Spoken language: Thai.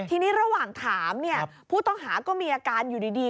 ทีนี้ระหว่างถามผู้ต้องหาก็มีอาการอยู่ดี